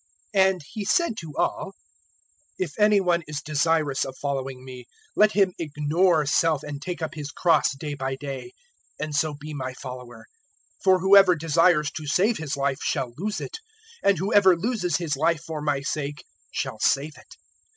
009:023 And He said to all, "If any one is desirous of following me, let him ignore self and take up his cross day by day, and so be my follower. 009:024 For whoever desires to save his life shall lose it, and whoever loses his life for my sake shall save it.